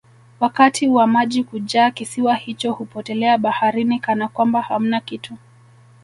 wakati wa maji kujaa kisiwa hicho hupotelea baharini Kana kwamba hamna kitu